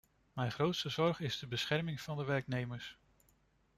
Mijn grootste zorg is de bescherming van de werknemers.